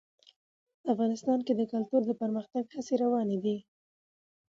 افغانستان کې د کلتور د پرمختګ هڅې روانې دي.